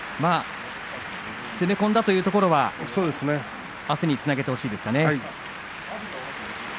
攻め込んだというところはあすにつなげてほしいですかね。